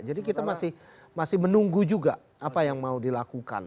jadi kita masih menunggu juga apa yang mau dilakukan